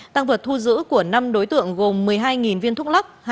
tăng vật thu giữ của năm đối tượng gồm một mươi hai viên thuốc lắc